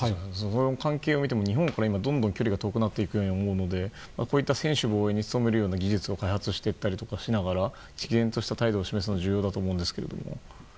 その関係を見ても日本からどんどん距離が遠くなっているように見えるのでこういった専守防衛に努めるような技術を開発しながら毅然とした態度を示すことが重要だと思うんですけども。